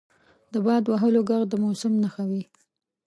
• د باد وهلو ږغ د موسم نښه وي.